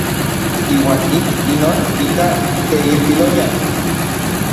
Iuan ik inon nikaj teilpiloyan.